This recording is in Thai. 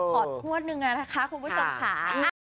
ขอสบวนหนึ่งอ่ะนะคะคุณผู้ชมขา